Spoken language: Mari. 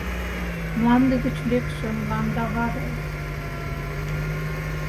Мланде гыч лекше Мландава гай.